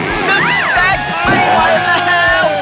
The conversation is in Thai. หนึ่งแดงไม่หวังแล้ว